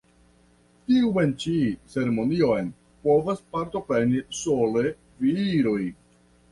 Tiun ĉi ceremonion povas partopreni sole viroj.